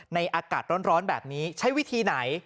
อากาศร้อนแบบนี้ใช้วิธีไหน